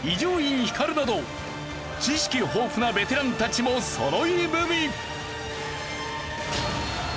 光など知識豊富なベテランたちもそろい踏み！